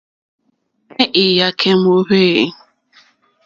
Nɛh Iyakɛ mɔhvɛ eeh?